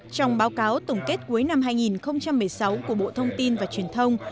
trong báo cáo tổng kết cuối năm hai nghìn một mươi sáu của bộ thông tin và truyền thông